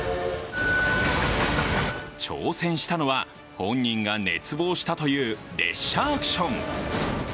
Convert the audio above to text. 挑戦したのは、本人が熱望したという列車アクション。